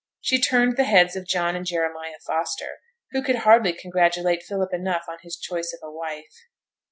She turned the heads of John and Jeremiah Foster, who could hardly congratulate Philip enough on his choice of a wife.